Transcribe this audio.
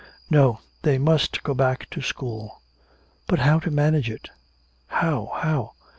No, they must go back to school. But how to manage it? How? How?